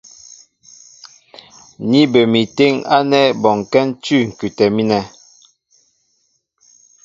Ní bə mi téŋ ánɛ́ bɔnkɛ́ ń cʉ̂ ŋ̀kʉtɛ mínɛ.